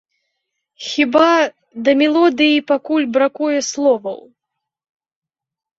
Хіба, да мелодыі пакуль бракуе словаў.